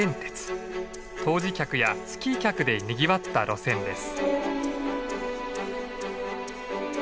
湯治客やスキー客でにぎわった路線です。